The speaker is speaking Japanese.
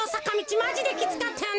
マジできつかったよな。